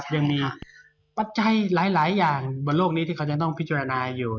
ยังมีปัจจัยหลายอย่างบนโลกนี้ที่เขาจะต้องพิจารณาอยู่